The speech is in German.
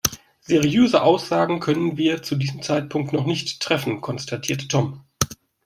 Seriöse Aussagen können wir zu diesem Zeitpunkt noch nicht treffen, konstatierte Tom.